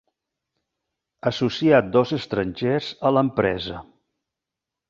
Associar dos estrangers a l'empresa.